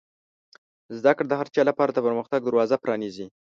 زده کړه د هر چا لپاره د پرمختګ دروازه پرانیزي.